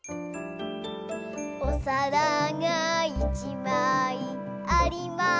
「おさらがいちまいありました」